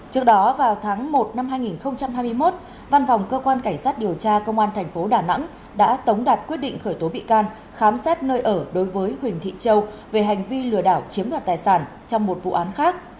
trước đó vào tháng một năm hai nghìn hai mươi một văn phòng cơ quan cảnh sát điều tra công an thành phố đà nẵng đã tống đạt quyết định khởi tố bị can khám xét nơi ở đối với huỳnh thị châu về hành vi lừa đảo chiếm đoạt tài sản trong một vụ án khác